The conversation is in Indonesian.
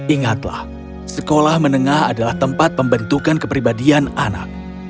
ingatlah sekolah menengah adalah tempat pembentukan kepribadian anak